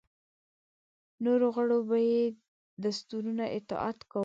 نورو غړو به یې دستورونو اطاعت کاوه.